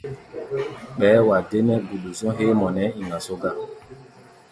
Ɓɛɛ́ wa dee nɛ́ guɗu-zɔ̧́ héé mɔ nɛ ɛ́ɛ́ iŋa só gá.